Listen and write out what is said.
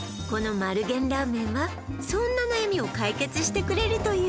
丸源ラーメンはそんな悩みを解決してくれるという